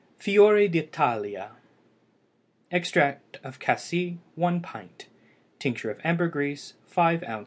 FIORI D'ITALIA. Extract of cassie 1 pint. Tincture of ambergris 5 oz.